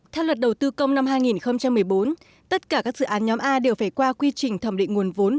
theo luật đầu tư công năm hai nghìn một mươi bốn tất cả các dự án nhóm a đều phải qua quy trình thẩm định nguồn vốn